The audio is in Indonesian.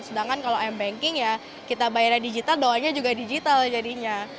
sedangkan kalau m banking ya kita bayarnya digital doanya juga digital jadinya